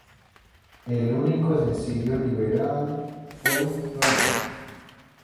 El único sencillo liberado fue "Rain".